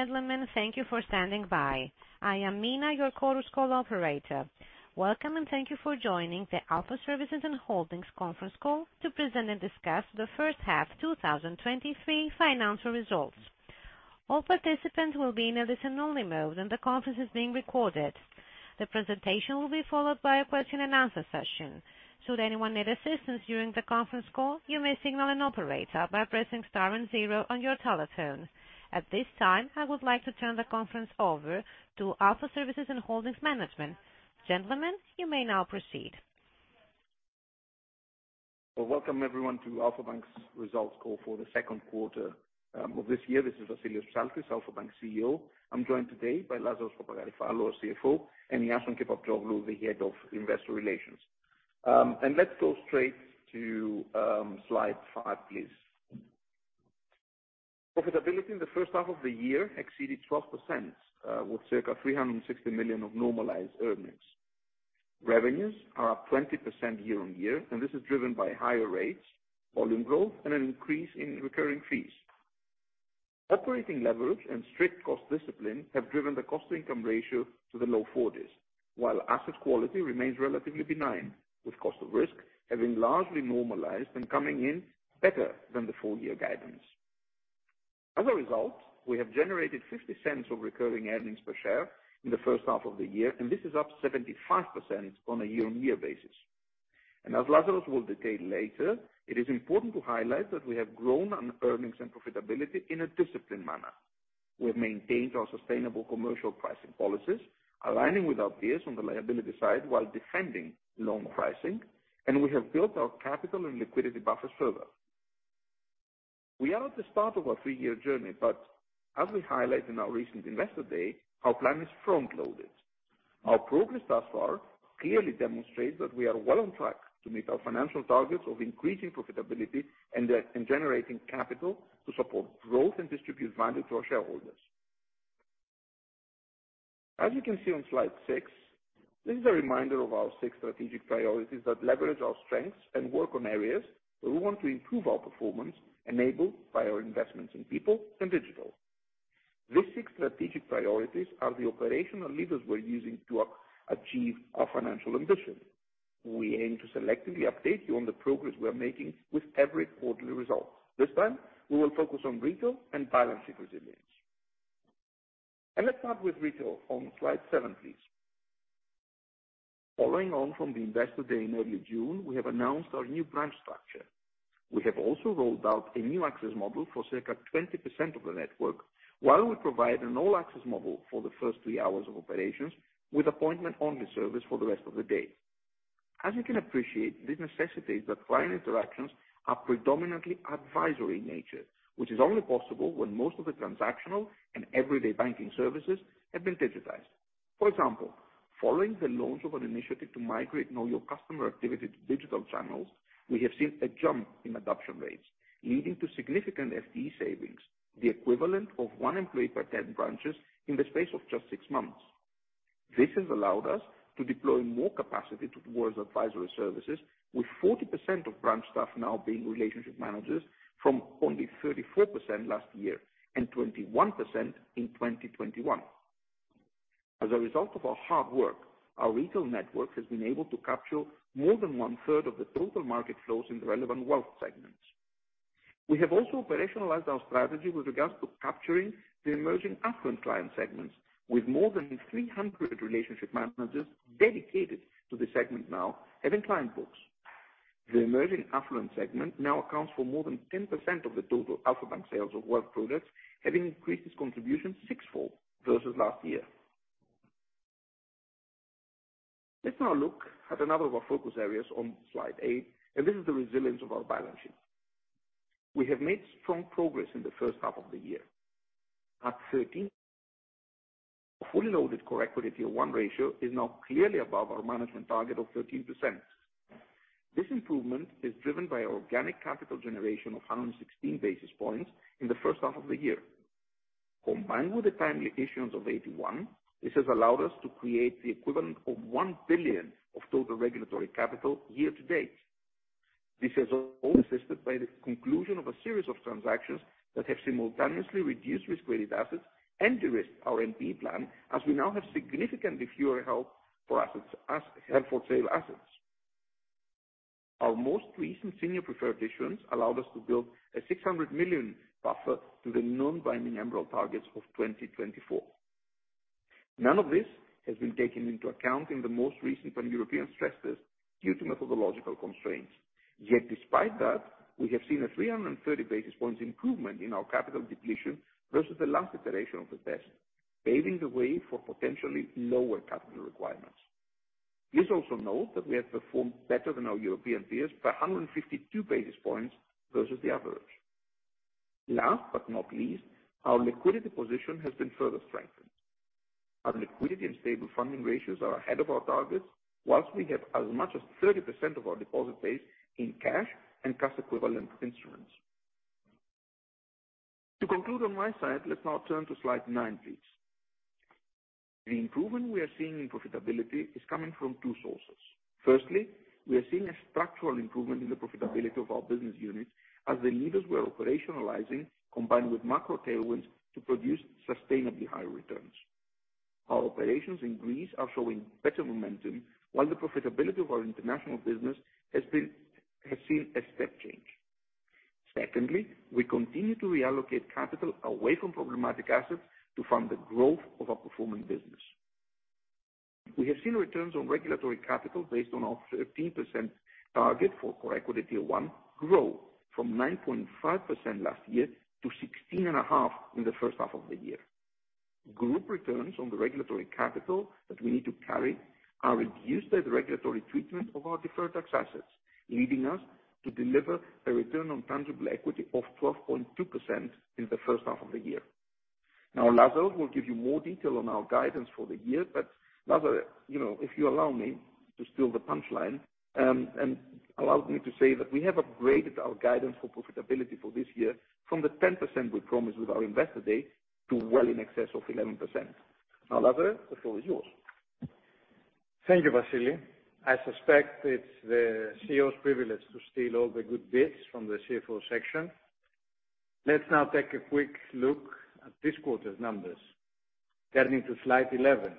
Ladies and gentlemen, thank you for standing by. I am Mina, your Chorus Call operator. Welcome, thank you for joining the Alpha Services and Holdings Conference Call to present and discuss the H1 2023 Financial Results. All participants will be in a listen only mode, the conference is being recorded. The presentation will be followed by a Q&A session. Should anyone need assistance during the conference call, you may signal an operator by pressing star zero on your telephone. At this time, I would like to turn the conference over to Alpha Services and Holdings management. Gentlemen, you may now proceed. Well, Welcome everyone to Alpha Bank's Results Call for the Q2 of this year. This is Vassilios Psaltis, Alpha Bank CEO. I'm joined today by Lazaros Papagaryfallou, our CFO, and Iason Kepaptsoglou, the Head of Investor Relations. Let's go straight to Slide 5, please. Profitability in the H1 of the year exceeded 12%, with circa 360 million of normalized earnings. Revenues are up 20% year-on-year, this is driven by higher rates, volume growth, and an increase in recurring fees. Operating leverage and strict cost discipline have driven the cost-to-income ratio to the low 40s, while asset quality remains relatively benign, with cost of risk having largely normalized and coming in better than the full year guidance. As a result, we have generated 0.50 of recurring earnings per share in the H1 of the year, and this is up 75% on a year-on-year basis. As Lazaros will detail later, it is important to highlight that we have grown on earnings and profitability in a disciplined manner. We have maintained our sustainable commercial pricing policies, aligning with our peers on the liability side while defending loan pricing, and we have built our capital and liquidity buffers further. We are at the start of our 3-year journey, but as we highlight in our recent Investor Day, our plan is front loaded. Our progress thus far clearly demonstrates that we are well on track to meet our financial targets of increasing profitability and generating capital to support growth and distribute value to our shareholders. As you can see on Slide 6, this is a reminder of our 6 strategic priorities that leverage our strengths and work on areas where we want to improve our performance, enabled by our investments in people and digital. These 6 strategic priorities are the operational levers we're using to achieve our financial ambition. We aim to selectively update you on the progress we are making with every quarterly result. This time, we will focus on retail and balancing resilience. Let's start with retail on Slide 7, please. Following on from the Investor Day in early June, we have announced our new branch structure. We have also rolled out a new access model for circa 20% of the network, while we provide an all access model for the first 3 hours of operations, with appointment only service for the rest of the day. As you can appreciate, this necessitates that client interactions are predominantly advisory in nature, which is only possible when most of the transactional and everyday banking services have been digitized. For example, following the launch of an initiative to migrate Know Your Customer activity to digital channels, we have seen a jump in adoption rates, leading to significant FTE savings, the equivalent of 1 employee per 10 branches in the space of just 6 months. This has allowed us to deploy more capacity towards advisory services, with 40% of branch staff now being relationship managers, from only 34% last year and 21% in 2021. As a result of our hard work, our retail network has been able to capture more than one-third of the total market flows in the relevant wealth segments. We have also operationalized our strategy with regards to capturing the emerging affluent client segments, with more than 300 relationship managers dedicated to the segment now having client books. The emerging affluent segment now accounts for more than 10% of the total Alpha Bank sales of work products, having increased its contribution sixfold versus last year. Let's now look at another of our focus areas on Slide 8. This is the resilience of our balance sheet. We have made strong progress in the H1 of the year. At 13, fully loaded Core Equity Tier 1 ratio is now clearly above our management target of 13%. This improvement is driven by organic capital generation of 116 basis points H1 of the year. Combined with the timely issuance of AT1, this has allowed us to create the equivalent of 1 billion of total regulatory capital year to date. This is all assisted by the conclusion of a series of transactions that have simultaneously reduced risk-weighted assets and de-risked our NPE plan, as we now have significantly fewer held for sale assets. Our most recent Senior Preferred issuance allowed us to build a 600 million buffer to the non-binding MREL targets of 2024. None of this has been taken into account in the most recent Pan-European stress test due to methodological constraints. Despite that, we have seen a 330 basis points improvement in our capital depletion versus the last iteration of the test, paving the way for potentially lower capital requirements. Please also note that we have performed better than our European peers by 152 basis points versus the average. Last but not least, our liquidity position has been further strengthened. Our liquidity and stable funding ratios are ahead of our targets, whilst we have as much as 30% of our deposit base in cash and cash equivalent instruments. To conclude on my side, let's now turn to Slide 9, please. The improvement we are seeing in profitability is coming from two sources. Firstly, we are seeing a structural improvement in the profitability of our business units as the leaders we are operationalizing, combined with macro tailwinds, to produce sustainably high returns. Our operations in Greece are showing better momentum, while the profitability of our international business has been, has seen a step change. Secondly, we continue to reallocate capital away from problematic assets to fund the growth of our performing business. We have seen returns on regulatory capital based on our 13% target for CET1 grow from 9.5% last year to 16.5% in the H1 of the year. Group returns on the regulatory capital that we need to carry are reduced by the regulatory treatment of our deferred tax assets, leading us to deliver a return on tangible equity of 12.2% in the H1 of the year. Lazaros will give you more detail on our guidance for the year, but Lazaros, you know, if you allow me to steal the punchline, and allow me to say that we have upgraded our guidance for profitability for this year from the 10% we promised with our Investor Day, to well in excess of 11%. Lazaros, the floor is yours. Thank you, Vassilis. I suspect it's the CEO's privilege to steal all the good bits from the CFO section. Let's now take a quick look at this quarter's numbers. Turning to Slide 11.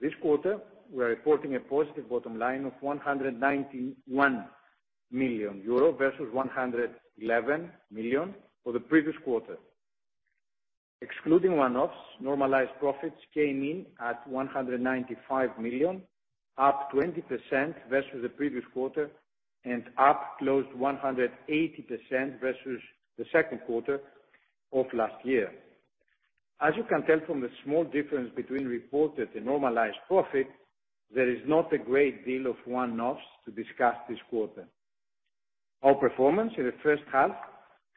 This quarter, we are reporting a positive bottom line of 191 million euro, versus 111 million for the previous quarter. Excluding one-offs, normalized profits came in at 195 million, up 20% versus the previous quarter, and up close to 180% versus the Q2 of last year. As you can tell from the small difference between reported and normalized profit, there is not a great deal of one-offs to discuss this quarter. Our performance in the H1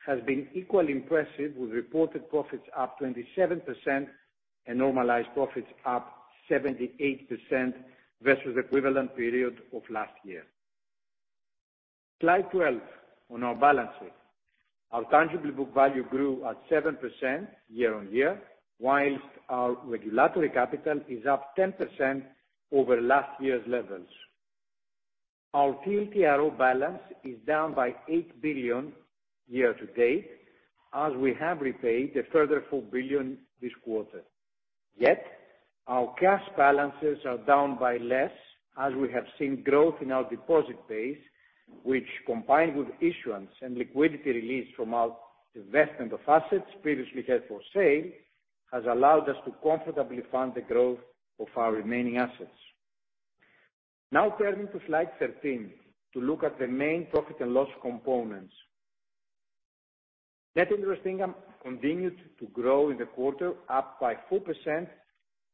has been equally impressive, with reported profits up 27% and normalized profits up 78% versus equivalent period of last year. Slide 12, on our balance sheet. Our tangible book value grew at 7% year-on-year, whilst our regulatory capital is up 10% over last year's levels. Our TLTRO balance is down by 8 billion year-to-date, as we have repaid a further 4 billion this quarter. Our cash balances are down by less, as we have seen growth in our deposit base, which, combined with issuance and liquidity release from our investment of assets previously held for sale, has allowed us to comfortably fund the growth of our remaining assets. Turning to Slide 13 to look at the main profit and loss components. Net interest income continued to grow in the quarter, up by 4%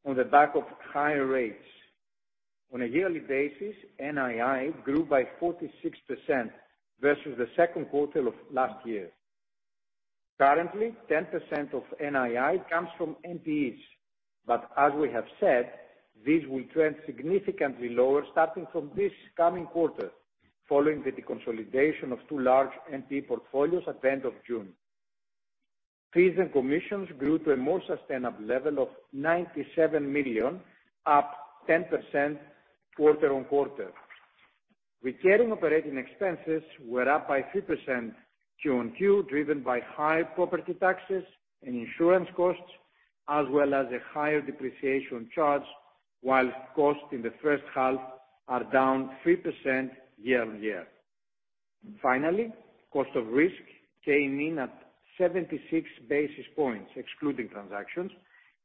on the back of higher rates. On a yearly basis, NII grew by 46% versus the second quarter of last year. Currently, 10% of NII comes from NPEs, but as we have said, this will trend significantly lower starting from this coming quarter, following the deconsolidation of two large NPE portfolios at the end of June. Fees and commissions grew to a more sustainable level of 97 million, up 10% quarter-on-quarter. Recurring operating expenses were up by 3% QOQ, driven by high property taxes and insurance costs, as well as a higher depreciation charge, while costs in the H1 are down 3% year-on-year. Finally, cost of risk came in at 76 basis points, excluding transactions,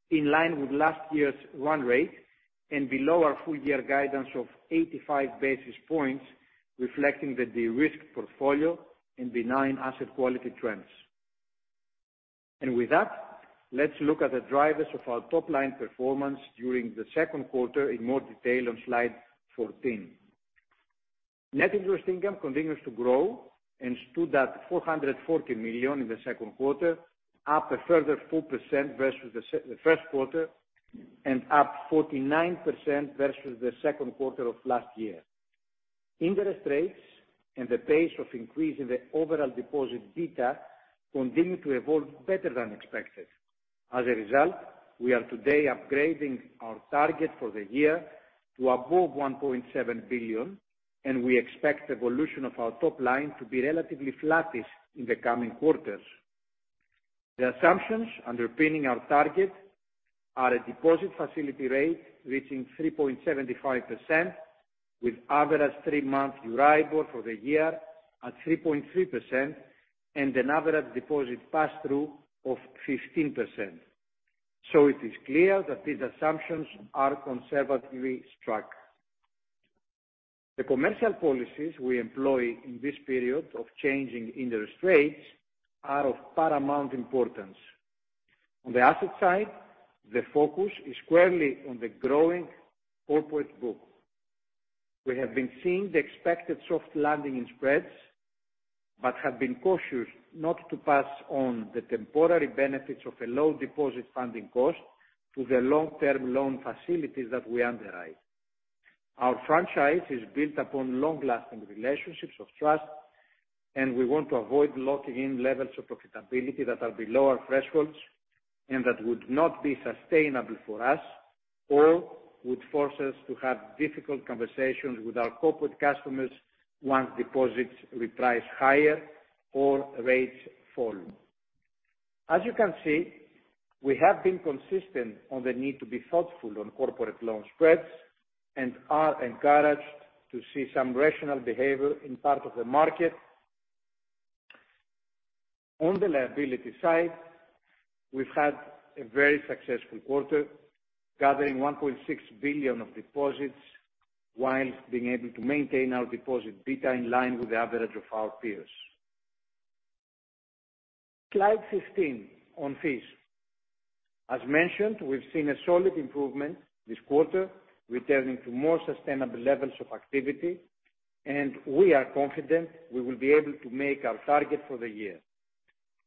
in line with last year's run rate and below our full year guidance of 85 basis points, reflecting the de-risked portfolio and benign asset quality trends. With that, let's look at the drivers of our top line performance during the Q2 in more detail on Slide 14. Net interest income continues to grow and stood at 440 million in the Q2, up a further 4% versus the Q1, and up 49% versus the Q2 of last year. Interest rates and the pace of increase in the overall deposit beta continued to evolve better than expected. As a result, we are today upgrading our target for the year to above 1.7 billion, and we expect the evolution of our top line to be relatively flattish in the coming quarters. The assumptions underpinning our target are a deposit facility rate reaching 3.75%, with average 3-month Euribor for the year at 3.3%, and an average deposit pass-through of 15%. It is clear that these assumptions are conservatively struck. The commercial policies we employ in this period of changing interest rates are of paramount importance. On the asset side, the focus is squarely on the growing corporate book. We have been seeing the expected soft landing in spreads, but have been cautious not to pass on the temporary benefits of a low deposit funding cost to the long-term loan facilities that we underwrite. Our franchise is built upon long-lasting relationships of trust, and we want to avoid locking in levels of profitability that are below our thresholds, and that would not be sustainable for us or would force us to have difficult conversations with our corporate customers once deposits reprice higher or rates fall. As you can see, we have been consistent on the need to be thoughtful on corporate loan spreads and are encouraged to see some rational behavior in part of the market. On the liability side, we've had a very successful quarter, gathering 1.6 billion of deposits, while being able to maintain our deposit beta in line with the average of our peers. Slide 15 on fees. As mentioned, we've seen a solid improvement this quarter, returning to more sustainable levels of activity. We are confident we will be able to make our target for the year.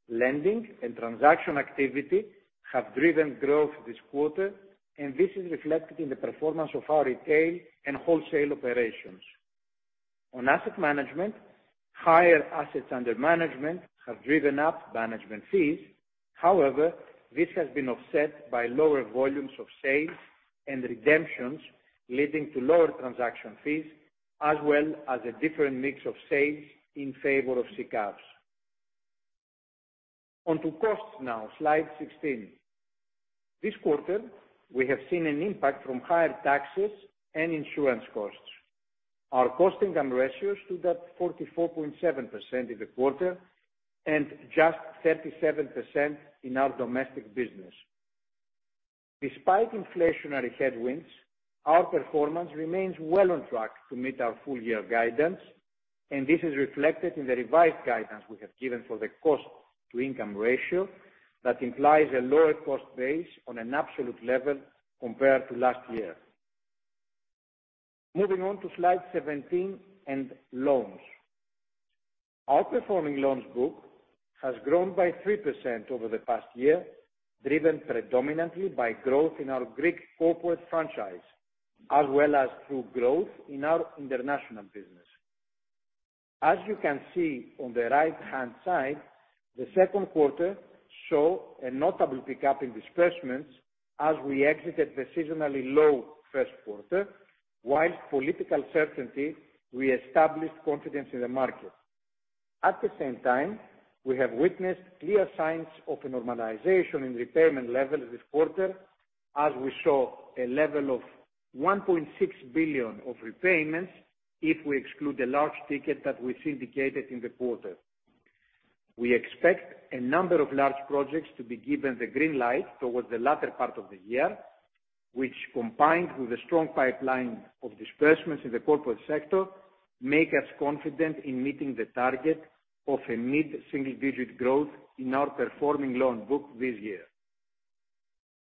Lending and transaction activity have driven growth this quarter. This is reflected in the performance of our retail and wholesale operations. On asset management, higher assets under management have driven up management fees. However, this has been offset by lower volumes of sales and redemptions, leading to lower transaction fees, as well as a different mix of sales in favor of CCAPPs. On to costs now, Slide 16. This quarter, we have seen an impact from higher taxes and insurance costs. Our cost-to-income ratio stood at 44.7% in the quarter, just 37% in our domestic business. Despite inflationary headwinds, our performance remains well on track to meet our full year guidance. This is reflected in the revised guidance we have given for the cost-to-income ratio that implies a lower cost base on an absolute level compared to last year. Moving on to Slide 17 and loans. Our performing loans book has grown by 3% over the past year, driven predominantly by growth in our Greek corporate franchise, as well as through growth in our international business. As you can see on the right-hand side, the Q2 show a notable pickup in disbursements as we exited the seasonally low Q1, while political certainty reestablished confidence in the market. At the same time, we have witnessed clear signs of a normalization in repayment levels this quarter, as we saw a level of 1.6 billion of repayments if we exclude the large ticket that we syndicated in the quarter. We expect a number of large projects to be given the green light towards the latter part of the year, which, combined with a strong pipeline of disbursements in the corporate sector, make us confident in meeting the target of a mid-single digit growth in our performing loan book this year.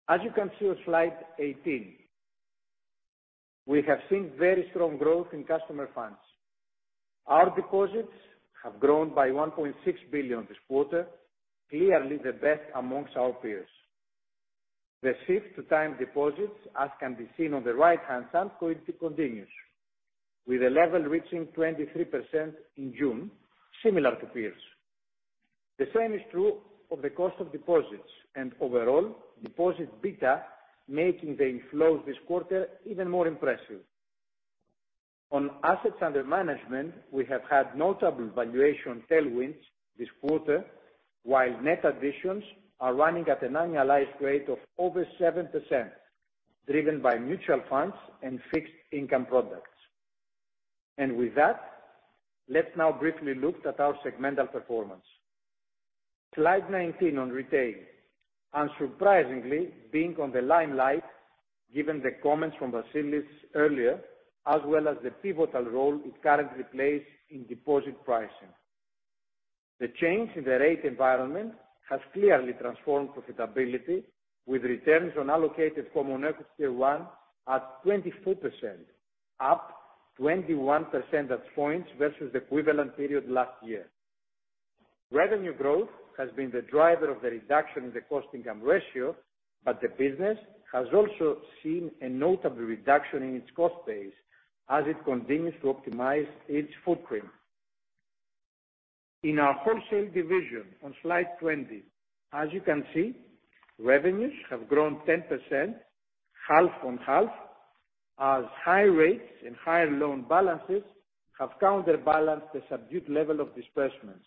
As you can see on Slide 18, we have seen very strong growth in customer funds. Our deposits have grown by 1.6 billion this quarter, clearly the best amongst our peers. The shift to time deposits, as can be seen on the right-hand side, continues, with the level reaching 23% in June, similar to peers. The same is true of the cost of deposits, and overall, deposit beta, making the inflows this quarter even more impressive. On assets under management, we have had notable valuation tailwinds this quarter, while net additions are running at an annualized rate of over 7%, driven by mutual funds and fixed income products. With that, let's now briefly look at our segmental performance. Slide 19 on Retail. Unsurprisingly, being on the limelight, given the comments from Vassilis earlier, as well as the pivotal role it currently plays in deposit pricing. The change in the rate environment has clearly transformed profitability, with returns on allocated Common Equity Tier 1 at 24%, up 21 percentage points versus the equivalent period last year. Revenue growth has been the driver of the reduction in the cost-to-income ratio, but the business has also seen a notable reduction in its cost base as it continues to optimize its footprint. In our wholesale division on Slide 20, as you can see, revenues have grown 10%, half on half, as high rates and higher loan balances have counterbalanced the subdued level of disbursements.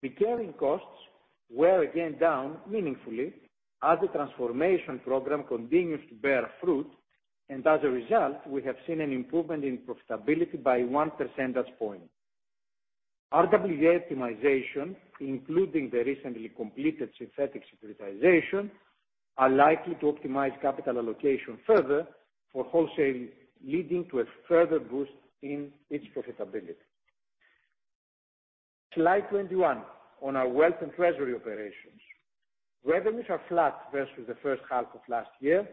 Recurring costs were again down meaningfully as the transformation program continues to bear fruit, and as a result, we have seen an improvement in profitability by 1 percentage point. RWA optimization, including the recently completed synthetic securitization, are likely to optimize capital allocation further for wholesaling, leading to a further boost in its profitability. Slide 21 on our wealth and treasury operations. Revenues are flat versus the H1 of last year,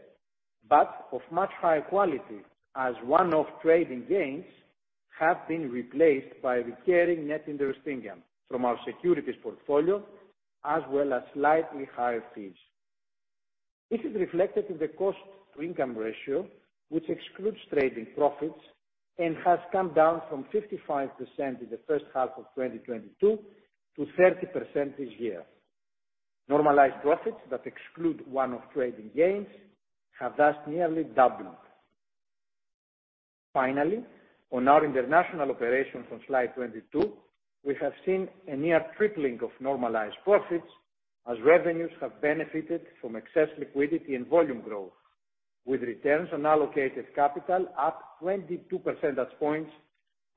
of much higher quality as one-off trading gains have been replaced by recurring net interest income from our securities portfolio, as well as slightly higher fees. This is reflected in the cost-to-income ratio, which excludes trading profits and has come down from 55% in the H1 of 2022 to 30% this year. Normalized profits that exclude one-off trading gains have thus nearly doubled. On our international operations on Slide 22, we have seen a near tripling of normalized profits as revenues have benefited from excess liquidity and volume growth, with returns on allocated capital up 22 percentage points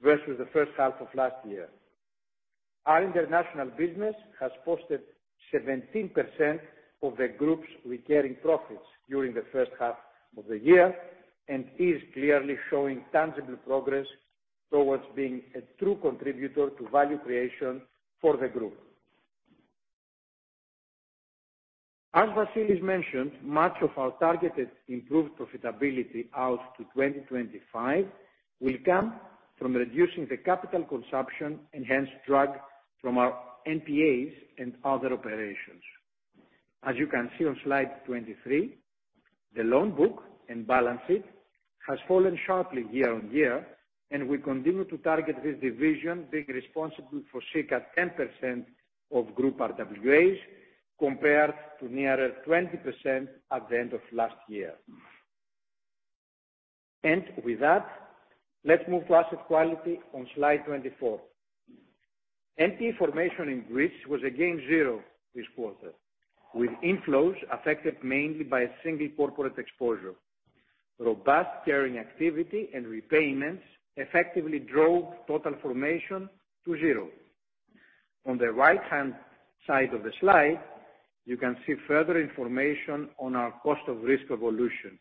versus the H1 of last year. Our international business has posted 17% of the group's recurring profits during the H1 of the year, is clearly showing tangible progress towards being a true contributor to value creation for the group. As Vassilis mentioned, much of our targeted improved profitability out to 2025 will come from reducing the capital consumption, enhanced drag from our NPAs and other operations. As you can see on Slide 23, the loan book and balance sheet has fallen sharply year-on-year. We continue to target this division, being responsible for circa 10% of group RWAs, compared to nearer 20% at the end of last year. With that, let's move to asset quality on Slide 24. NPE formation in Greece was again 0 this quarter, with inflows affected mainly by a single corporate exposure. Robust carrying activity and repayments effectively drove total formation to 0. On the right-hand side of the slide, you can see further information on our cost of risk evolution.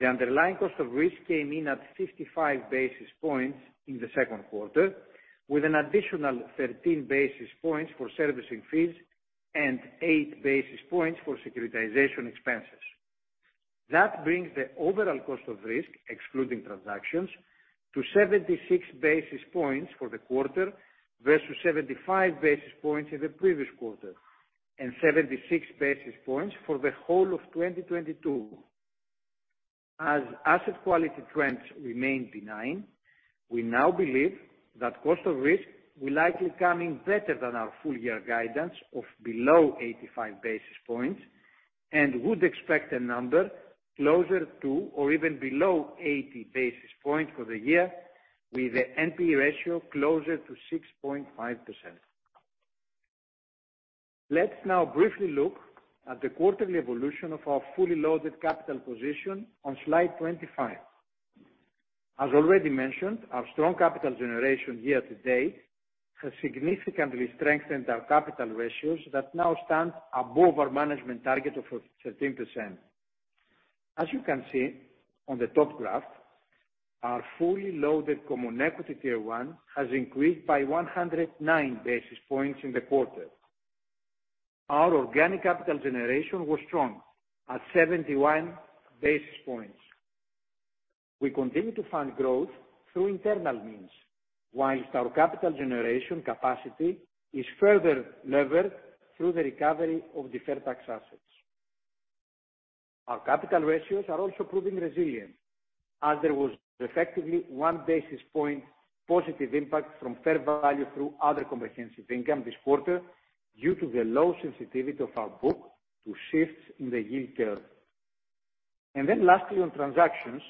The underlying cost of risk came in at 55 basis points in the Q2, with an additional 13 basis points for servicing fees and 8 basis points for securitization expenses. That brings the overall cost of risk, excluding transactions, to 76 basis points for the quarter, versus 75 basis points in the previous quarter, and 76 basis points for the whole of 2022. As asset quality trends remain benign, we now believe that cost of risk will likely come in better than our full year guidance of below 85 basis points, and would expect a number closer to or even below 80 basis points for the year, with the NPE ratio closer to 6.5%. Let's now briefly look at the quarterly evolution of our fully loaded capital position on Slide 25. As already mentioned, our strong capital generation year-to-date has significantly strengthened our capital ratios that now stand above our management target of 13%. As you can see on the top graph, our fully loaded Common Equity Tier 1 has increased by 109 basis points in the quarter. Our organic capital generation was strong at 71 basis points. We continue to fund growth through internal means, whilst our capital generation capacity is further levered through the recovery of deferred tax assets. Our capital ratios are also proving resilient, as there was effectively 1 basis point positive impact from Fair Value through Other Comprehensive Income this quarter due to the low sensitivity of our book to shifts in the yield curve. Lastly, on transactions,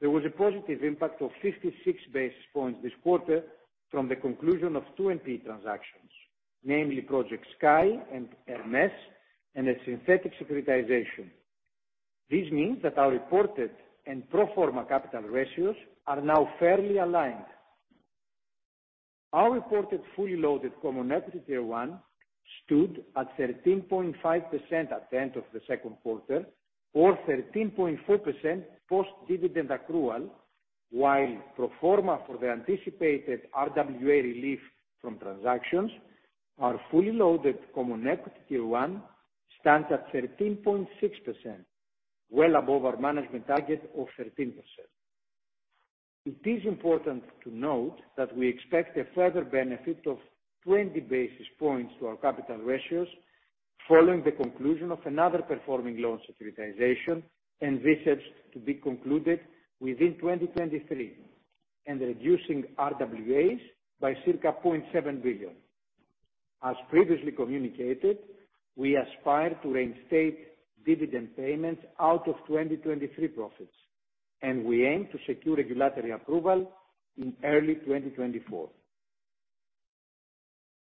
there was a positive impact of 56 basis points this quarter from the conclusion of 2 NP transactions, namely Project Sky and Hermes, and a synthetic securitization. This means that our reported and pro forma capital ratios are now fairly aligned. Our reported fully loaded Common Equity Tier 1 stood at 13.5% at the end of the Q2, or 13.4% post dividend accrual, while pro forma for the anticipated RWA relief from transactions, our fully loaded Common Equity Tier 1 stands at 13.6%, well above our management target of 13%. It is important to note that we expect a further benefit of 20 basis points to our capital ratios following the conclusion of another performing loan securitization, and this is to be concluded within 2023, and reducing RWAs by circa 0.7 billion. As previously communicated, we aspire to reinstate dividend payments out of 2023 profits, and we aim to secure regulatory approval in early 2024.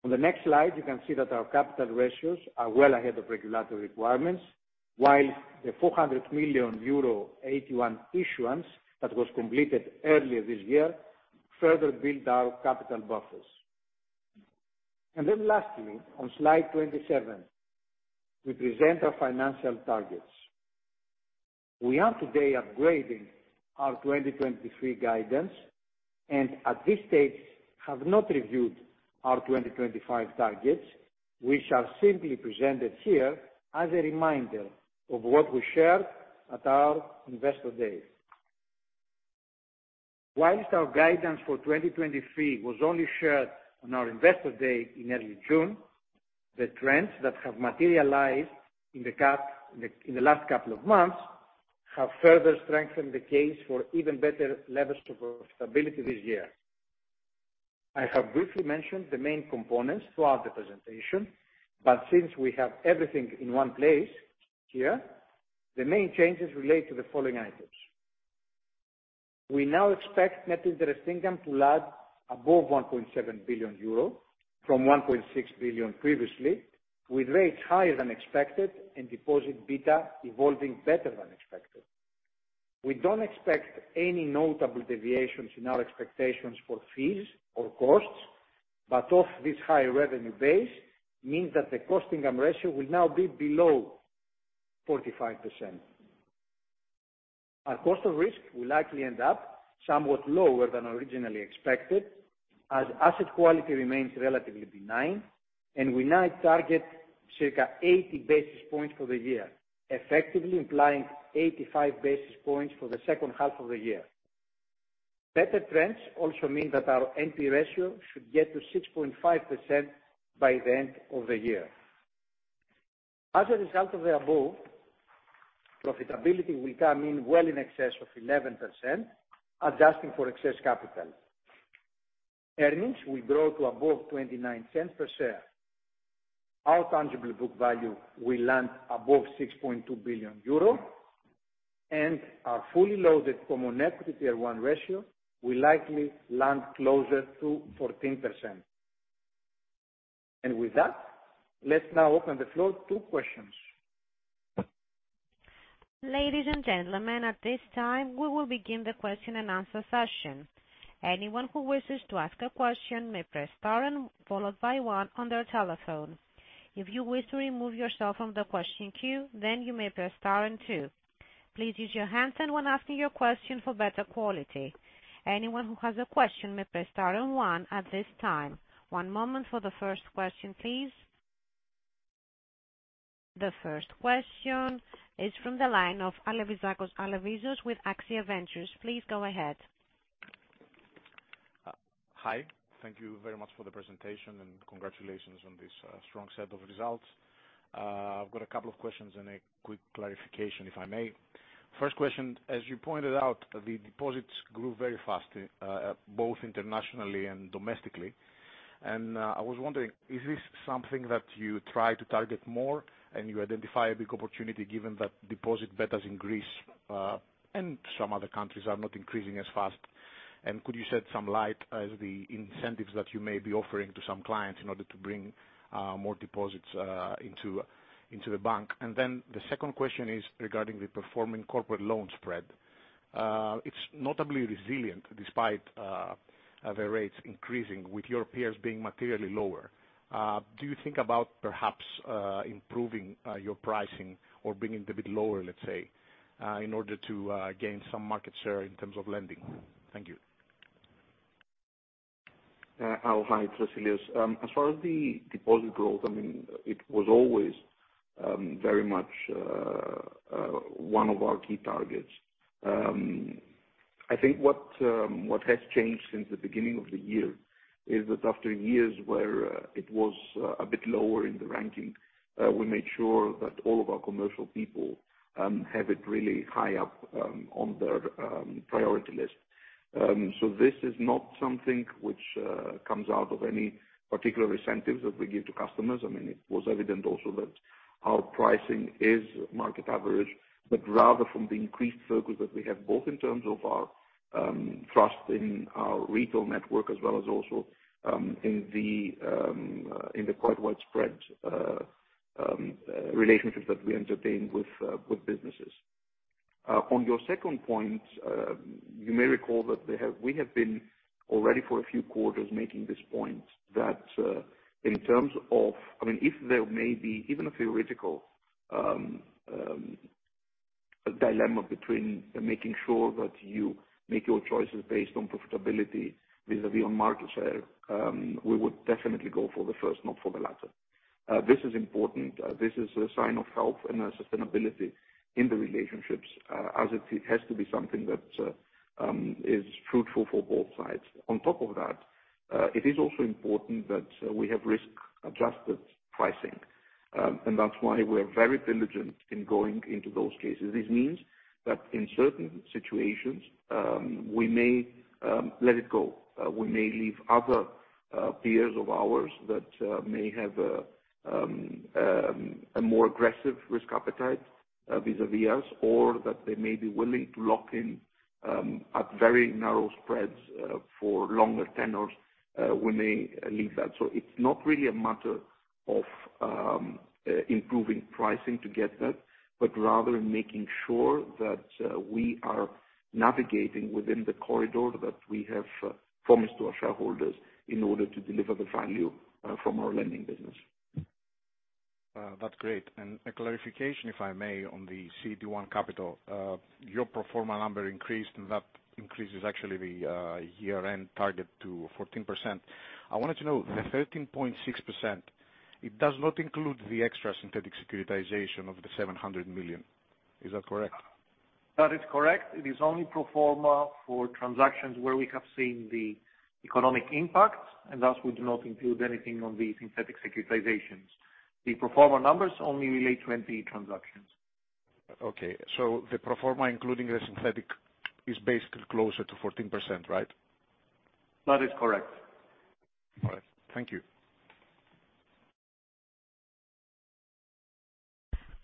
On the next slide, you can see that our capital ratios are well ahead of regulatory requirements, while the 400 million euro AT1 issuance that was completed earlier this year further built our capital buffers. Lastly, on Slide 27, we present our financial targets. We are today upgrading our 2023 guidance, and at this stage have not reviewed our 2025 targets, which are simply presented here as a reminder of what we shared at our Investor Day. Whilst our guidance for 2023 was only shared on our Investor Day in early June, the trends that have materialized in the last couple of months, have further strengthened the case for even better levels of profitability this year. I have briefly mentioned the main components throughout the presentation, but since we have everything in one place here, the main changes relate to the following items. We now expect net interest income to land above 1.7 billion euro from 1.6 billion previously, with rates higher than expected and deposit beta evolving better than expected. We don't expect any notable deviations in our expectations for fees or costs, but off this high revenue base means that the cost income ratio will now be below 45%. Our cost of risk will likely end up somewhat lower than originally expected, as asset quality remains relatively benign, and we now target circa 80 basis points for the year, effectively implying 85 basis points for the H2 of the year. Better trends also mean that our NPE ratio should get to 6.5% by the end of the year. As a result of the above, profitability will come in well in excess of 11%, adjusting for excess capital. Earnings will grow to above 0.29 per share. Our tangible book value will land above 6.2 billion euro, and our fully loaded Common Equity Tier 1 ratio will likely land closer to 14%. With that, let's now open the floor to questions. Ladies and gentlemen, at this time, we will begin the Q&A session. Anyone who wishes to ask a question may press star and followed by one on their telephone. If you wish to remove yourself from the question queue, then you may press star and two. Please use your handset when asking your question for better quality. Anyone who has a question may press star and one at this time. One moment for the first question, please. The first question is from the line of Al Alevizakos with AXIA Ventures. Please go ahead. Hi. Thank you very much for the presentation, and congratulations on this strong set of results. I've got a couple of questions and a quick clarification, if I may. First question, as you pointed out, the deposits grew very fast, both internationally and domestically. I was wondering, is this something that you try to target more, and you identify a big opportunity given that deposit betas in Greece, and some other countries are not increasing as fast? Could you shed some light as the incentives that you may be offering to some clients in order to bring more deposits into the bank? The second question is regarding the performing corporate loan spread. It's notably resilient despite the rates increasing, with your peers being materially lower. Do you think about perhaps improving your pricing or bringing a bit lower, let's say, in order to gain some market share in terms of lending? Thank you. Oh, hi, Vasilios. As far as the deposit growth, I mean, it was always very much one of our key targets. I think what has changed since the beginning of the year is that after years where it was a bit lower in the ranking, we made sure that all of our commercial people have it really high up on their priority list. This is not something which comes out of any particular incentives that we give to customers. I mean, it was evident also that our pricing is market average, but rather from the increased focus that we have, both in terms of our, trust in our retail network, as well as also, in the, in the quite widespread, relationships that we entertain with, with businesses. On your second point, you may recall that they have, we have been already for a few quarters, making this point, that, in terms of I mean, if there may be even a theoretical, dilemma between making sure that you make your choices based on profitability vis-a-vis on market share, we would definitely go for the first, not for the latter. This is important. This is a sign of health and sustainability in the relationships, as it, it has to be something that is fruitful for both sides. On top of that, it is also important that we have risk-adjusted pricing, and that's why we're very diligent in going into those cases. This means that in certain situations, we may let it go. We may leave other peers of ours that may have a more aggressive risk appetite vis-a-vis us, or that they may be willing to lock in at very narrow spreads for longer tenors, when they leave that. It's not really a matter of improving pricing to get that, but rather making sure that we are navigating within the corridor that we have promised to our shareholders in order to deliver the value from our lending business. That's great. A clarification, if I may, on the CET1 capital. Your pro forma number increased, and that increases actually the, year-end target to 14%. I wanted to know, the 13.6%, it does not include the extra synthetic securitization of 700 million. Is that correct? That is correct. It is only pro forma for transactions where we have seen the economic impact, and thus we do not include anything on the synthetic securitizations. The pro forma numbers only relate to 20 transactions. Okay, the pro forma, including the synthetic, is basically closer to 14%, right? That is correct. All right. Thank you.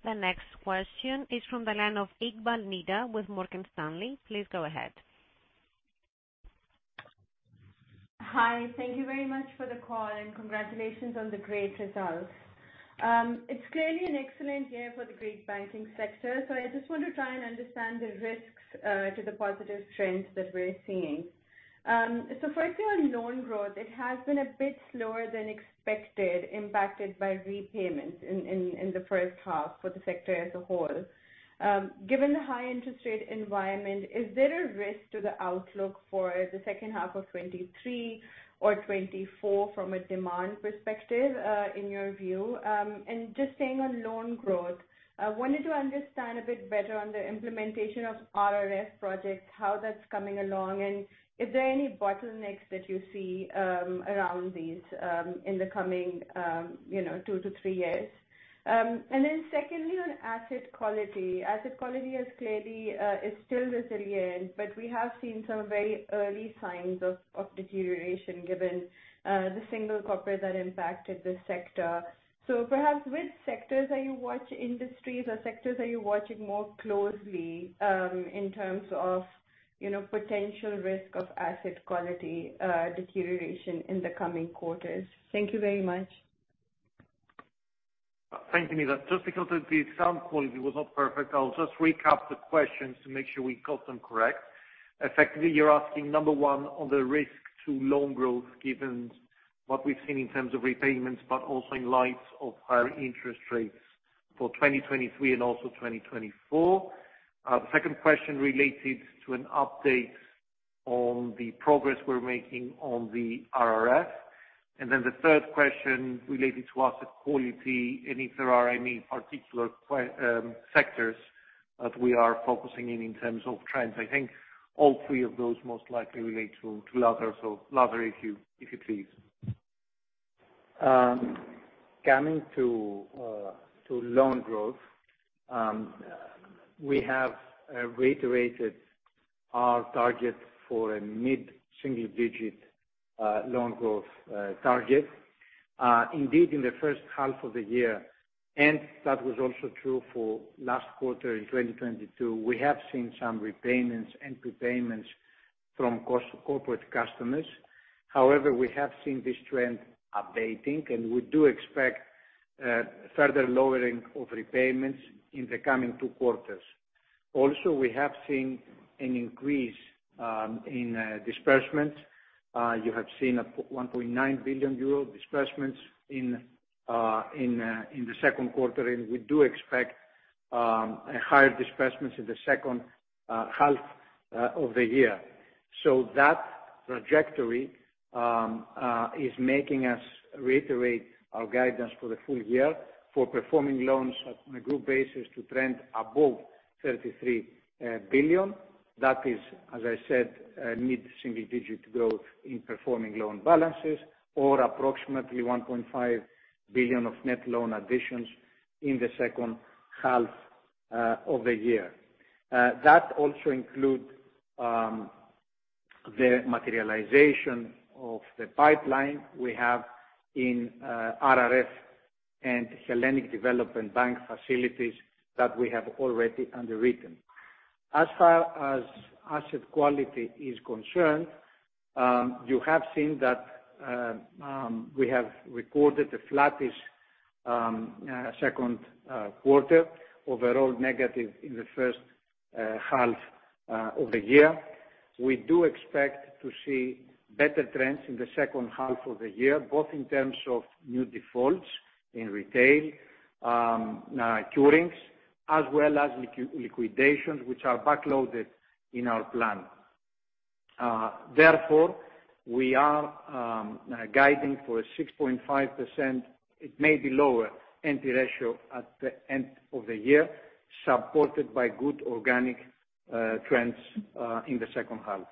The next question is from the line of Nida Iqbal with Morgan Stanley. Please go ahead. Hi, thank you very much for the call, and congratulations on the great results. It's clearly an excellent year for the Greek banking sector, so I just want to try and understand the risks to the positive trends that we're seeing. Firstly, on loan growth, it has been a bit slower than expected, impacted by repayments in, in, in the H1 for the sector as a whole. Given the high interest rate environment, is there a risk to the outlook for the H2 of 2023 or 2024 from a demand perspective in your view? Just staying on loan growth, I wanted to understand a bit better on the implementation of RRF projects, how that's coming along, and is there any bottlenecks that you see around these in the coming, you know, two to three years? Secondly, on asset quality. Asset quality is clearly, is still resilient, but we have seen some very early signs of, of deterioration given, the single corporate that impacted this sector. Perhaps which sectors are you watch, industries or sectors are you watching more closely, in terms of, you know, potential risk of asset quality, deterioration in the coming quarters? Thank you very much. Thank you, Nida. Just because of the sound quality was not perfect, I'll just recap the questions to make sure we got them correct. Effectively, you're asking, number one, on the risk to loan growth, given what we've seen in terms of repayments, but also in light of higher interest rates for 2023 and also 2024. The second question related to an update on the progress we're making on the RRF. The third question related to asset quality, and if there are any particular sectors that we are focusing in, in terms of trends. I think all three of those most likely relate to, to Lazaros. Lazaros, if you, if you please. Coming to loan growth, we have reiterated our target for a mid-single digit loan growth target. Indeed, in the H1 of the year, and that was also true for last quarter in 2022, we have seen some repayments and prepayments from cost, corporate customers. However, we have seen this trend updating, and we do expect further lowering of repayments in the coming 2 quarters. Also, we have seen an increase in disbursements. You have seen 1.9 billion euro disbursements in 2Q, and we do expect a higher disbursements in the H2 of the year. That trajectory is making us reiterate our guidance for the full year for performing loans on a group basis to trend above 33 billion. That is, as I said, a mid-single digit growth in performing loan balances or approximately 1.5 billion of net loan additions in the H2 of the year. That also include the materialization of the pipeline we have in RRF and Hellenic Development Bank facilities that we have already underwritten. As far as asset quality is concerned, you have seen that we have recorded the flattest Q2, overall negative in the H1 of the year. We do expect to see better trends in the H2 of the year, both in terms of new defaults in retail curings, as well as liquidations, which are backloaded in our plan. Therefore, we are guiding for a 6.5%, it may be lower, NPE ratio at the end of the year, supported by good organic trends in the H2.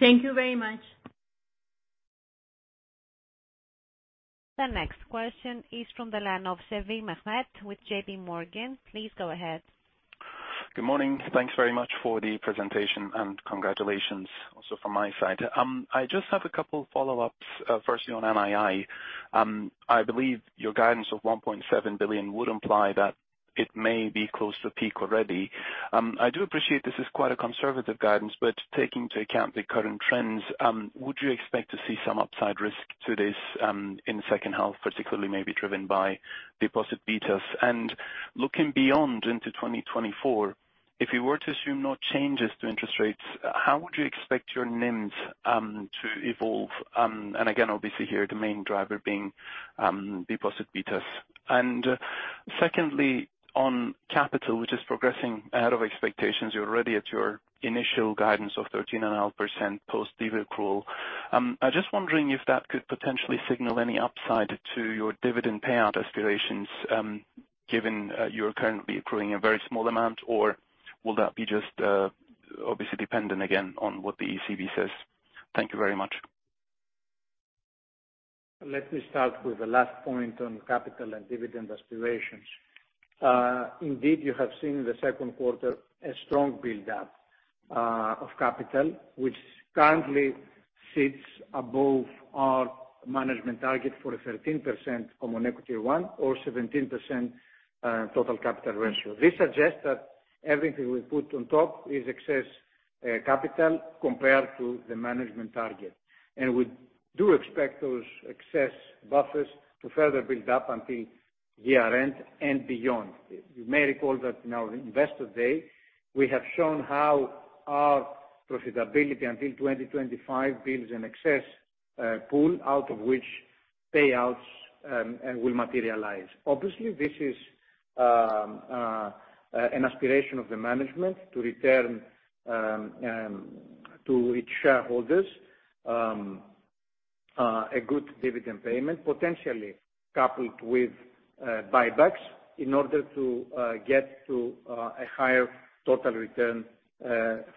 Thank you very much. The next question is from the line of Mehmet Sevim with J.P. Morgan. Please go ahead. Good morning. Thanks very much for the presentation, and congratulations also from my side. I just have a couple follow-ups, firstly on NII. I believe your guidance of 1.7 billion would imply that it may be close to peak already. I do appreciate this is quite a conservative guidance, but taking into account the current trends, would you expect to see some upside risk to this in the H2, particularly maybe driven by deposit betas? Looking beyond into 2024, if you were to assume no changes to interest rates, how would you expect your NIMs to evolve? Again, obviously here, the main driver being deposit betas. Secondly, on capital, which is progressing out of expectations, you're already at your initial guidance of 13.5% post-dividend accrual. I'm just wondering if that could potentially signal any upside to your dividend payout aspirations, going forward? Given, you're currently accruing a very small amount, or will that be just, obviously dependent again on what the ECB says? Thank you very much. Let me start with the last point on capital and dividend aspirations. Indeed, you have seen in the Q2 a strong build-up of capital, which currently sits above our management target for a 13% Common Equity one or 17% total capital ratio. This suggests that everything we put on top is excess capital compared to the management target. We do expect those excess buffers to further build up until year-end and beyond. You may recall that in our Investor Day, we have shown how our profitability until 2025 builds an excess pool out of which payouts will materialize. Obviously, this is an aspiration of the management to return to each shareholders a good dividend payment, potentially coupled with buybacks, in order to get to a higher total return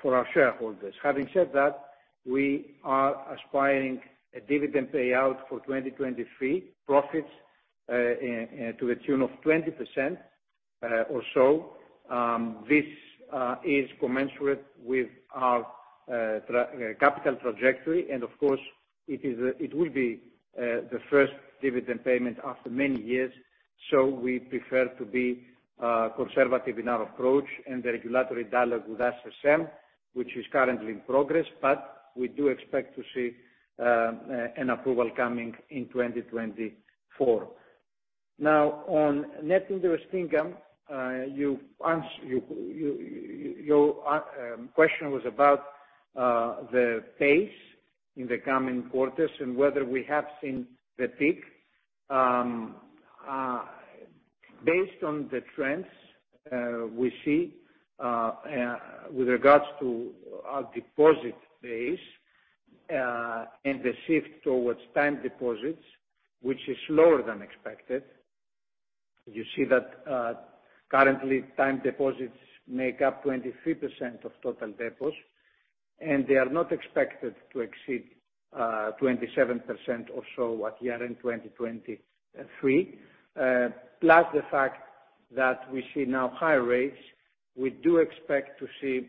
for our shareholders. Having said that, we are aspiring a dividend payout for 2023 profits, to the tune of 20% or so. This is commensurate with our capital trajectory, of course, it is it will be the first dividend payment after many years, so we prefer to be conservative in our approach and the regulatory dialogue with SSM, which is currently in progress. We do expect to see an approval coming in 2024. Now, on net interest income, your question was about the pace in the coming quarters and whether we have seen the peak. Based on the trends we see with regards to our deposit base and the shift towards time deposits, which is slower than expected, you see that currently, time deposits make up 23% of total deposits, and they are not expected to exceed 27% or so at year-end 2023. Plus the fact that we see now higher rates, we do expect to see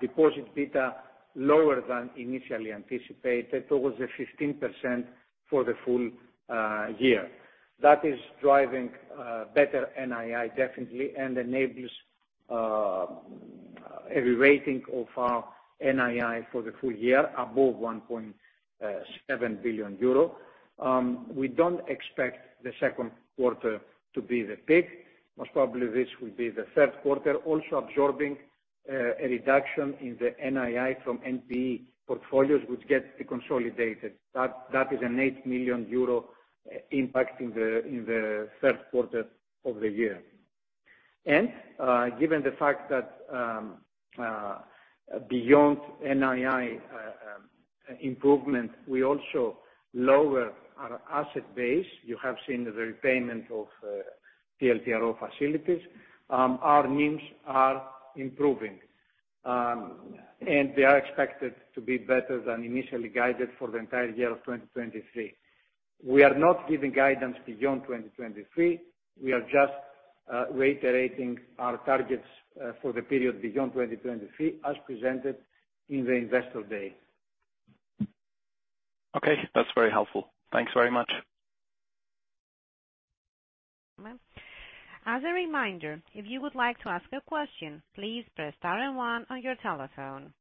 deposit beta lower than initially anticipated, towards the 15% for the full year. That is driving better NII, definitely, and enables every rating of our NII for the full year above 1.7 billion euro. We don't expect the Q2 to be the peak. Most probably, this will be the Q3, also absorbing a reduction in the NII from NPE portfolios, which gets deconsolidated. That is an 8 million euro impact in the Q3 of the year. Given the fact that beyond NII improvement, we also lower our asset base. You have seen the repayment of TLTRO facilities. Our NIMs are improving and they are expected to be better than initially guided for the entire year of 2023. We are not giving guidance beyond 2023. We are just reiterating our targets for the period beyond 2023, as presented in the Investor Day. Okay, that's very helpful. Thanks very much. As a reminder, if you would like to ask a question, please press star and one on your telephone.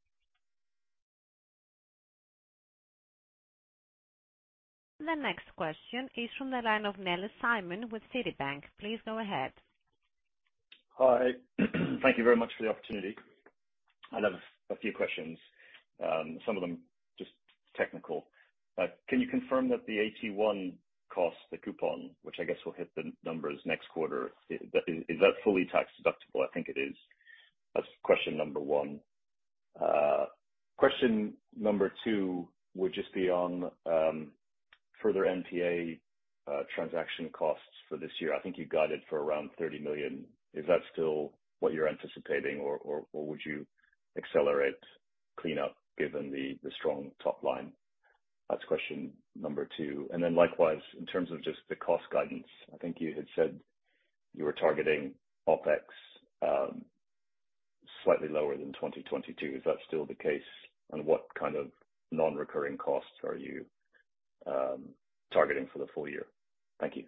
The next question is from the line of Simon Nellis with Citibank. Please go ahead. Hi. Thank you very much for the opportunity. I have a few questions, some of them just technical. Can you confirm that the AT1 cost, the coupon, which I guess will hit the numbers next quarter, is that fully tax-deductible? I think it is. That's question number one. Question number two would just be on further NPA transaction costs for this year. I think you got it for around 30 million. Is that still what you're anticipating, or would you accelerate cleanup given the strong top line? That's question number two. Then likewise, in terms of just the cost guidance, I think you had said you were targeting OPEX slightly lower than 2022. Is that still the case? What kind of non-recurring costs are you targeting for the full year? Thank you.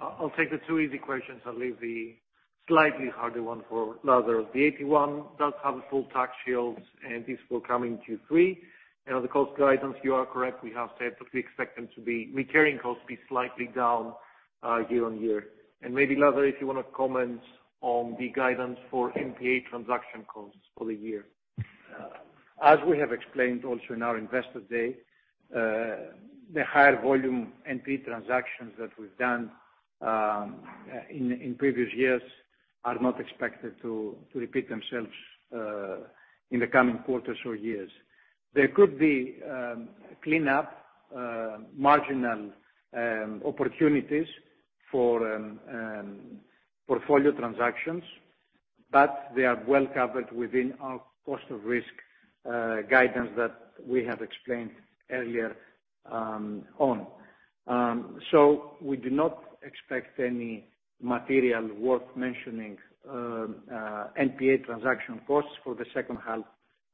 I'll, I'll take the two easy questions and leave the slightly harder one for Lazar. The AT1 does have full tax shields. This will come in Q3. On the cost guidance, you are correct. We have said that we expect them to be recurring costs to be slightly down year-on-year. Maybe, Lazar, if you want to comment on the guidance for NPA transaction costs for the year. As we have explained also in our Investor Day, the higher volume NPA transactions that we've done in previous years, are not expected to repeat themselves in the coming quarters or years. There could be clean up, marginal opportunities for portfolio transactions, but they are well covered within our cost of risk guidance that we have explained earlier on. We do not expect any material worth mentioning, NPA transaction costs for the H2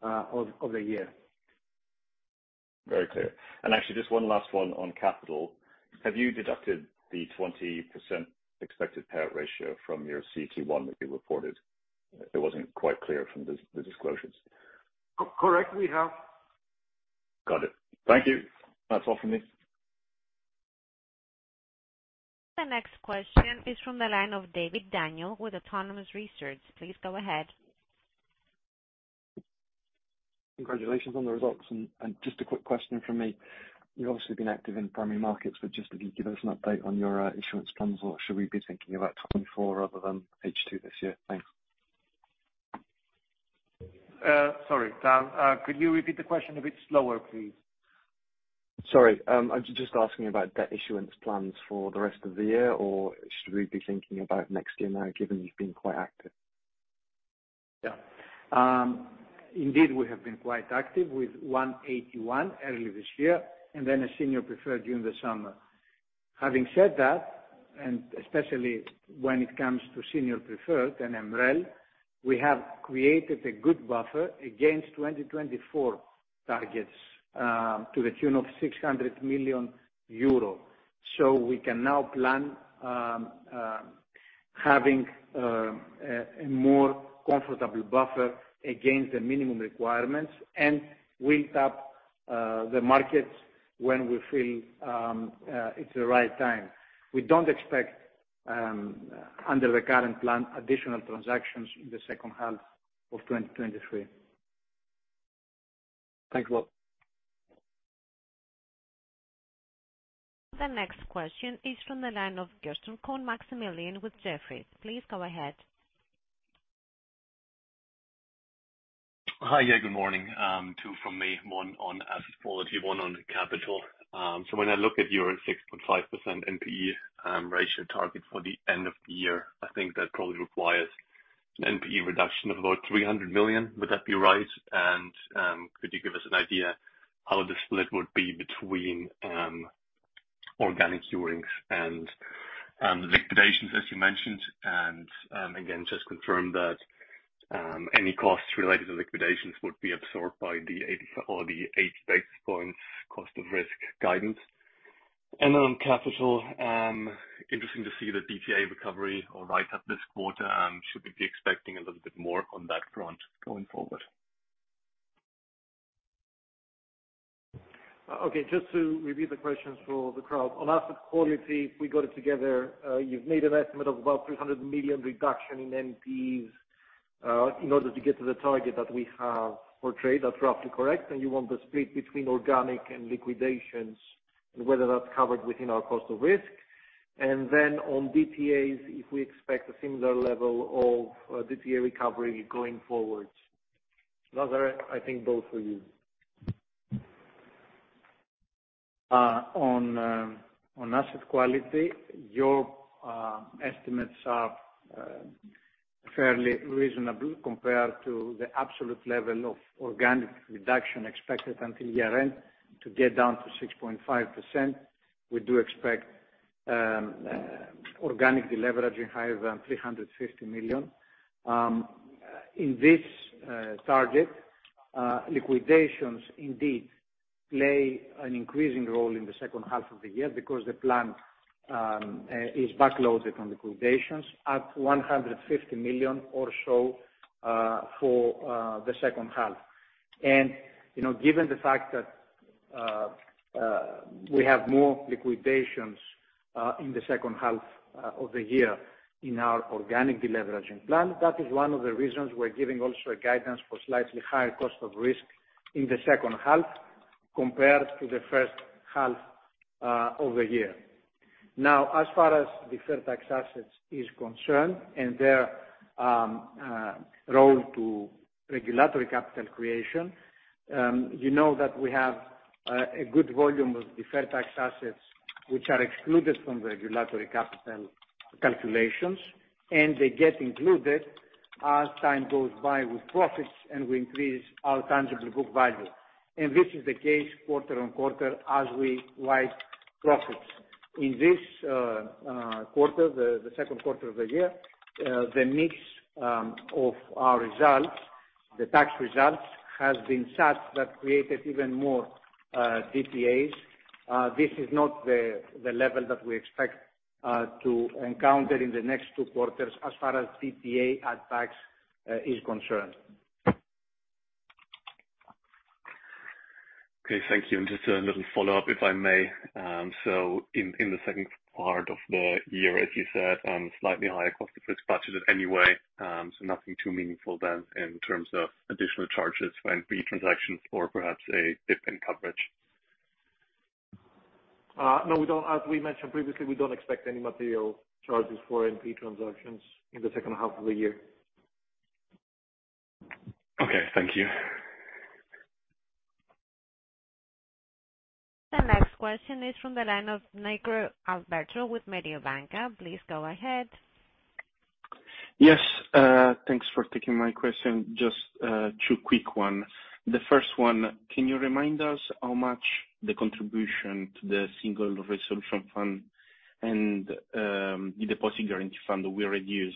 of the year. Very clear. Actually, just one last one on capital. Have you deducted the 20% expected payout ratio from your CET1 that you reported? It wasn't quite clear from the, the disclosures. Co-correct, we have. Got it. Thank you. That's all from me. The next question is from the line of Daniel David with Autonomous Research. Please go ahead. Congratulations on the results. Just a quick question from me. You've obviously been active in the primary markets, but just could you give us an update on your issuance plans, or should we be thinking about 2024 rather than H2 this year? Thanks. Sorry, could you repeat the question a bit slower, please? Sorry, I'm just asking about debt issuance plans for the rest of the year, or should we be thinking about next year now, given you've been quite active? Yeah. Indeed, we have been quite active with one AT1 early this year, and then a Senior Preferred during the summer. Having said that, and especially when it comes to Senior Preferred and MREL, we have created a good buffer against 2024 targets, to the tune of 600 million. We can now plan, having a more comfortable buffer against the minimum requirements, and we'll tap the markets when we feel it's the right time. We don't expect, under the current plan, additional transactions in the H2 of 2023. Thanks a lot. The next question is from the line of Alexander Demetriou with Jefferies. Please go ahead. Hi, yeah, good morning. Two from me, one on asset quality, one on capital. When I look at your 6.5% NPE ratio target for the end of the year, I think that probably requires an NPE reduction of about 300 million. Would that be right? Could you give us an idea how the split would be between organic curings and the liquidations, as you mentioned, and again, just confirm that any costs related to liquidations would be absorbed by the 80 basis points cost of risk guidance. On capital, interesting to see the DTA recovery or write-up this quarter, should we be expecting a little bit more on that front going forward? Okay, just to review the questions for the crowd. On asset quality, we got it together, you've made an estimate of about 300 million reduction in NPEs, in order to get to the target that we have for trade. That's roughly correct, and you want the split between organic and liquidations, and whether that's covered within our cost of risk. Then on DTAs, if we expect a similar level of DTA recovery going forward. Lazar, I think both are you. On, on asset quality, your estimates are fairly reasonable compared to the absolute level of organic reduction expected until year end. To get down to 6.5%, we do expect organic deleveraging higher than 350 million. In this target, liquidations indeed play an increasing role in the H2 of the year because the plan is backloaded on liquidations at 150 million or so for the H2. You know, given the fact that we have more liquidations in the H2 of the year in our organic deleveraging plan, that is one of the reasons we're giving also a guidance for slightly higher cost of risk in the H2 compared to the H1 of the year. Now, as far as deferred tax assets is concerned and their role to regulatory capital creation, you know that we have a good volume of deferred tax assets which are excluded from the regulatory capital calculations, and they get included as time goes by with profits, and we increase our Tangible Book Value. This is the case quarter on quarter as we write profits. In this quarter, the Q2 of the year, the mix of our results, the tax results, has been such that created even more DTAs. This is not the level that we expect to encounter in the next 2 quarters as far as DTA airbags is concerned. Okay, thank you. Just a little follow-up, if I may? In, in the second part of the year, as you said, slightly higher cost of risk budgeted anyway, nothing too meaningful then in terms of additional charges for NPE transactions or perhaps a dip in- No, we don't. As we mentioned previously, we don't expect any material charges for NP transactions in the H2 of the year. Okay, thank you. The next question is from the line of Alberto Nigro with Mediobanca. Please go ahead. Yes, thanks for taking my question. Just 2 quick one. The first one, can you remind us how much the contribution to the Single Resolution Fund and the Deposit Guarantee Fund will reduce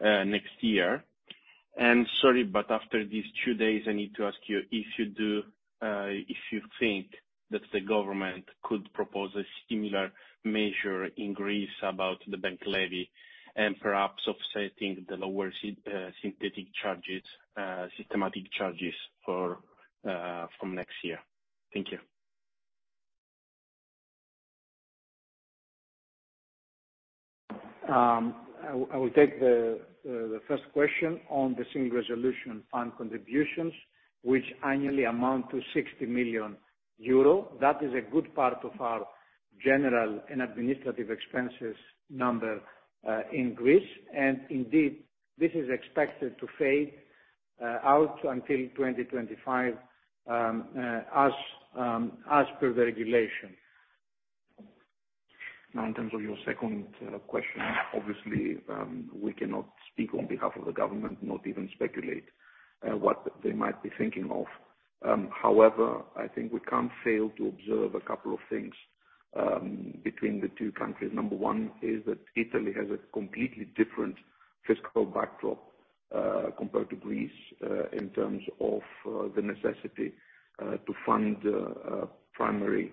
next year? Sorry, but after these 2 days, I need to ask you if you think that the government could propose a similar measure in Greece about the bank levy and perhaps offsetting the lower synthetic charges, systematic charges for from next year? Thank you. I will take the first question on the Single Resolution Fund contributions, which annually amount to 60 million euro. That is a good part of our general and administrative expenses number in Greece, and indeed, this is expected to fade out until 2025 as per the regulation. Now, in terms of your second question, obviously, we cannot speak on behalf of the government, not even speculate what they might be thinking of. However, I think we can't fail to observe a couple of things between the two countries. Number one is that Italy has a completely different fiscal backdrop compared to Greece in terms of the necessity to fund a primary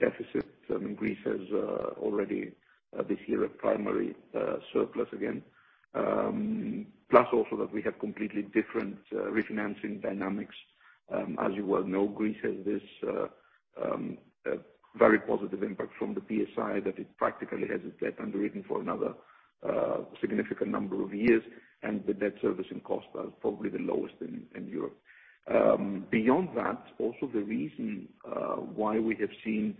deficit. I mean, Greece has already this year, a primary surplus again. Plus also that we have completely different refinancing dynamics. As you well know, Greece has this very positive impact from the PSI, that it practically has its debt underrated for another significant number of years, and the debt servicing costs are probably the lowest in Europe. Beyond that, also, the reason why we have seen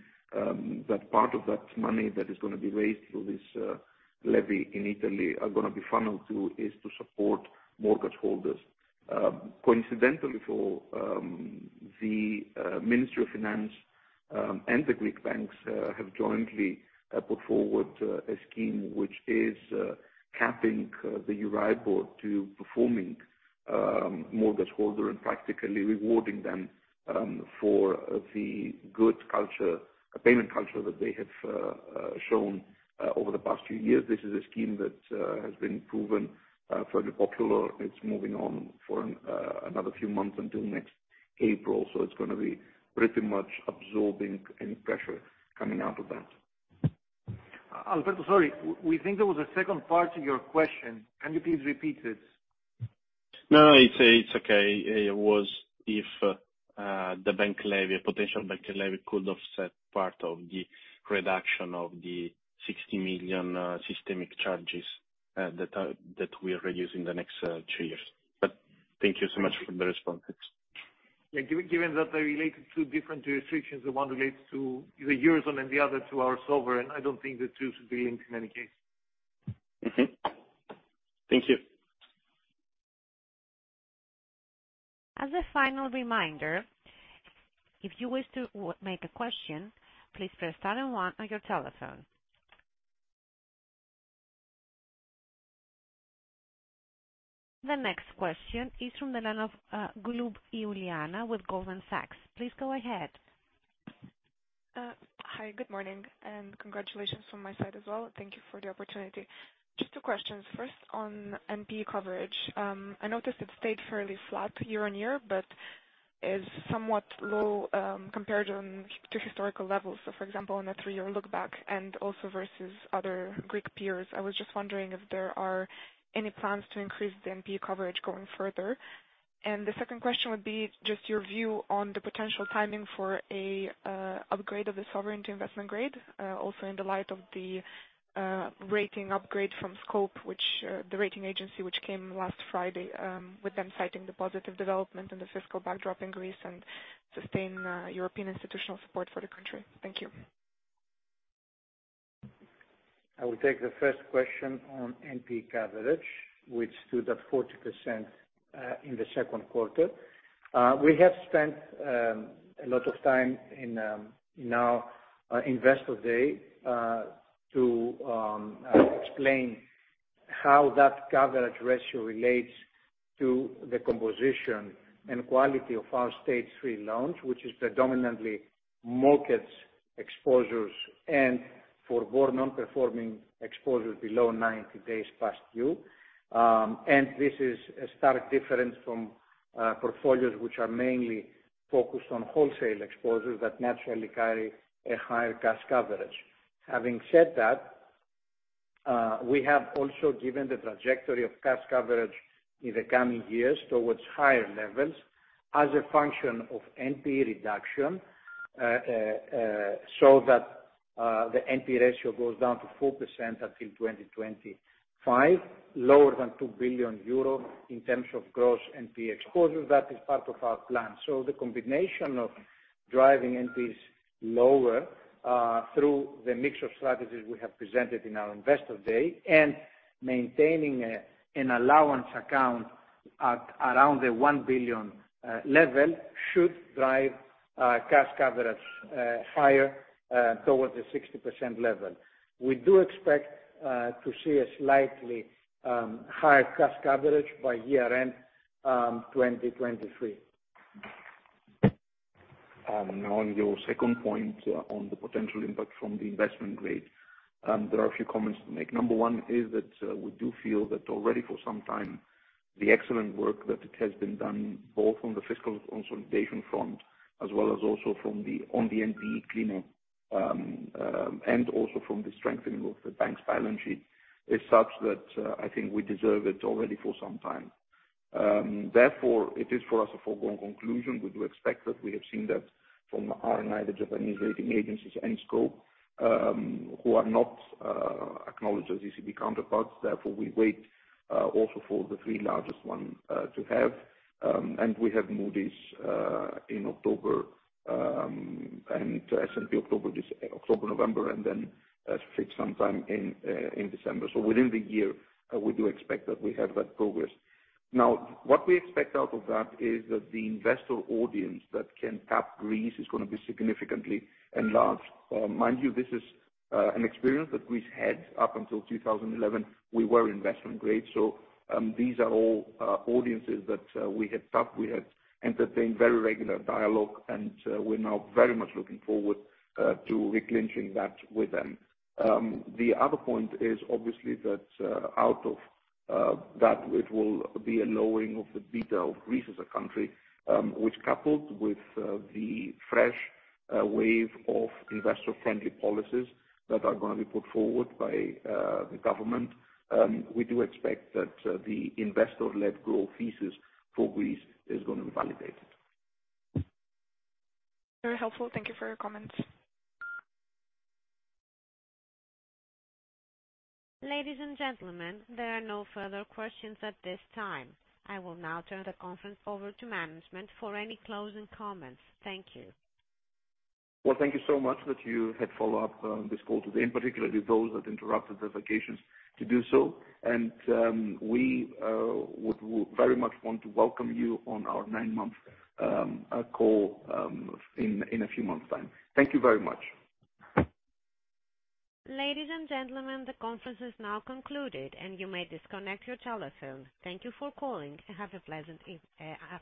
that part of that money that is gonna be raised through this levy in Italy are gonna be funneled to, is to support mortgage holders. Coincidentally for the Ministry of Finance and the Greek banks have jointly put forward a scheme which is capping the Euribor to performing mortgage holder and practically rewarding them for the good culture, payment culture that they have shown over the past few years. This is a scheme that has been proven fairly popular. It's moving on for another few months until next April, it's gonna be pretty much absorbing any pressure coming out of that. Alberto, sorry, we think there was a second part to your question. Can you please repeat it? No, it's, it's okay. It was if the bank levy, a potential bank levy, could offset part of the reduction of the 60 million systemic charges that are, that we are reducing the next two years. Thank you so much for the response. Yeah, given, given that they are related to different restrictions, the one relates to the Eurozone and the other to our sovereign, I don't think the two should be linked in any case. Mm-hmm. Thank you. As a final reminder, if you wish to make a question, please press star and one on your telephone. The next question is from the line of Iuliana Golub with Goldman Sachs. Please go ahead. Hi, good morning, and congratulations from my side as well. Thank you for the opportunity. Just two questions. First, on NP coverage, I noticed it stayed fairly flat year-on-year, but is somewhat low, compared on to historical levels. So for example, on a three-year look back and also versus other Greek peers. I was just wondering if there are any plans to increase the NP coverage going further? The second question would be just your view on the potential timing for a upgrade of the sovereign to investment grade, also in the light of the rating upgrade from Scope, which the rating agency, which came last Friday, with them citing the positive development and the fiscal backdrop in Greece and sustained European institutional support for the country. Thank you. I will take the first question on NPE coverage, which stood at 40%, in the Q2. We have spent a lot of time in in our Investor Day to explain how that coverage ratio relates to the composition and quality of our stage three loans, which is predominantly markets exposures and for more Non-Performing Exposures below 90 days past due. This is a stark difference from portfolios which are mainly focused on wholesale exposures that naturally carry a higher cash coverage. Having said that, we have also given the trajectory of cash coverage in the coming years towards higher levels as a function of NPE reduction, so that the NPE ratio goes down to 4% until 2025, lower than 2 billion euro in terms of gross NPE exposure. That is part of our plan. The combination of driving NPEs lower, through the mix of strategies we have presented in our Investor Day, and maintaining, an allowance account at around the 1 billion level, should drive, cash coverage, higher, towards the 60% level. We do expect, to see a slightly, higher cash coverage by year-end, 2023. Now on your second point, on the potential impact from the investment grade, there are a few comments to make. Number one is that we do feel that already for some time, the excellent work that it has been done, both on the fiscal consolidation front, as well as also from the, on the NPE cleanup, and also from the strengthening of the bank's balance sheet, is such that I think we deserve it already for some time. Therefore, it is for us, a foregone conclusion. We do expect that we have seen that from R&I, the Japanese rating agencies, and Scope, who are not acknowledged as ECB counterparts, therefore, we wait also for the three largest one to have. We have Moody's in October, S&P October, this October, November, Fitch sometime in December. Within the year, we do expect that we have that progress. What we expect out of that, is that the investor audience that can tap Greece is gonna be significantly enlarged. Mind you, this is an experience that Greece had up until 2011, we were investment grade, these are all audiences that we had tapped. We had entertained very regular dialogue, we're now very much looking forward to reclinching that with them. The other point is obviously that, out of, that it will be a lowering of the beta of Greece as a country, which coupled with the fresh wave of investor-friendly policies that are gonna be put forward by the government, we do expect that the investor-led growth thesis for Greece is gonna be validated. Very helpful. Thank you for your comments. Ladies and gentlemen, there are no further questions at this time. I will now turn the conference over to management for any closing comments. Thank you. Well, thank you so much that you had follow up on this call today, and particularly those that interrupted their vacations to do so. We would very much want to welcome you on our nine-month call in a few months' time. Thank you very much. Ladies and gentlemen, the conference is now concluded, and you may disconnect your telephone. Thank you for calling, and have a pleasant afternoon.